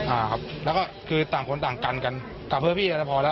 อ่าครับแล้วก็คือต่างคนต่างกันกันกลับเพื่อพี่อาจจะพอแล้ว